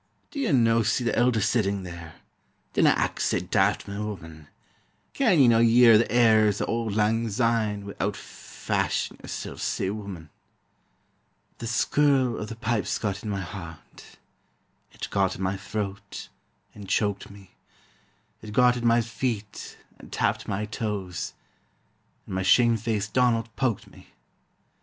"Do ye no see the elder sitting there? Dinna act sae daft, my wooman. Can ye no hear the airs o' auld lang syne Wi'oot fashin' yersel' sae, wooman?" But the skirl o' the pipes got in my heart, It got in my throat and choked me, It got in my feet, and tapped my toes, And my shame faced Donald poked me.